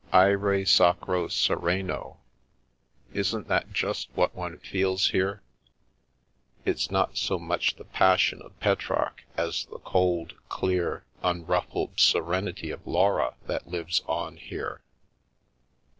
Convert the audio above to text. ' Aere sacro, sereno '— isn't that just what one feels here ? It's not so much the passion of Petrarch as the cold, clear, unruffled serenity of Laura that lives on here."